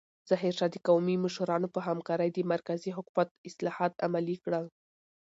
ظاهرشاه د قومي مشرانو په همکارۍ د مرکزي حکومت اصلاحات عملي کړل.